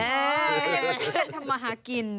อ๋อมันชื่อกันทำมาหากิน